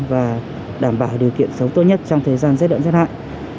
và đảm bảo điều kiện sống tốt nhất trong thời gian rất đậm giác hại